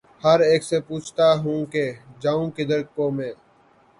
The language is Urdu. ہر اک سے پوچھتا ہوں کہ ’’ جاؤں کدھر کو میں